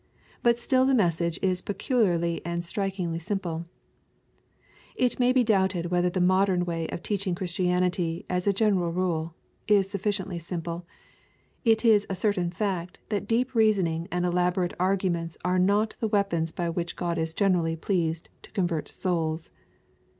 But still the message is peculiarly and strikingly simple. It may be doubted whether the modem way of teach* ing Christianity, as a general rule, is suflSciently simple. It is a certain fact that deep reasoning and elaborate arguments are not the weapons by which God is generally pleased to convert souls.